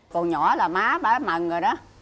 còn nhỏ là má bá mặn rồi đó